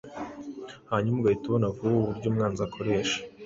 hanyuma ugahita ubona vuba uburyo umwanzi akoresha